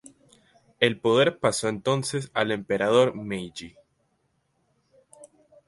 El poder pasó entonces al Emperador Meiji.